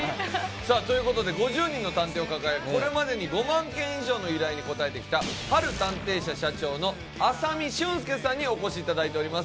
さあということで５０人の探偵を抱えこれまでに５万件以上の依頼に応えてきたＨＡＬ探偵社社長の浅見俊祐さんにお越しいただいております。